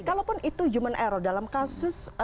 kalaupun itu human error dalam kasus